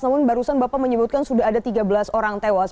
namun barusan bapak menyebutkan sudah ada tiga belas orang tewas